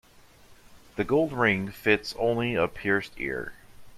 The gold ring fits only a pierced ear.